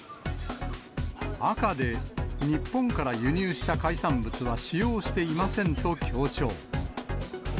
赤で日本から輸入した海産物は使用していませんと強調。